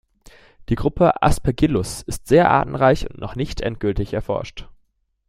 Die Gruppe "Aspergillus" ist sehr artenreich und noch nicht endgültig erforscht.